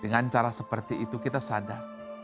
dengan cara seperti itu kita sadar